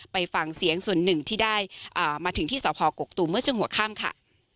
ไปฟังเสียงส่วนหนึ่งที่ได้มาถึงที่สพกกตูมเมื่อช่วงหัวข้ามค่ะ